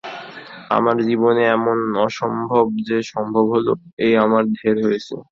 আমার জীবনে এমন অসম্ভব যে সম্ভব হল এই আমার ঢের হয়েছে।